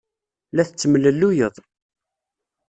La tettemlelluyed.